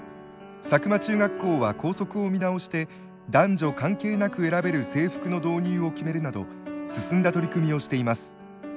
佐久間中学校は校則を見直して男女関係なく選べる制服の導入を決めるなど進んだ取り組みをしています。